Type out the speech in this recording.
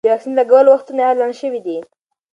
د واکسین لګولو وختونه اعلان شوي دي.